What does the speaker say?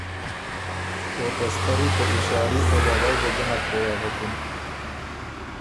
او ته ستری ته اشاري په ژغؤ بُو ګۀ نک پویٛ اغکِن۔